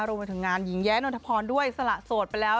รวมไปถึงงานหญิงแย้นนทพรด้วยสละโสดไปแล้ว